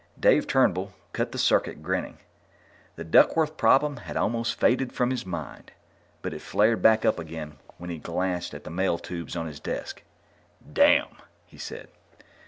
Dave Turnbull cut the circuit, grinning. The Duckworth problem had almost faded from his mind. But it flared back up again when he glanced at the mail tubes on his desk. "Damn!" he said.